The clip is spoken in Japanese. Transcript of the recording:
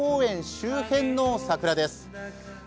周辺の桜です。